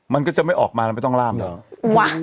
มันก็จะไม่ออกมาแล้วไม่ต้องล่ามแล้ว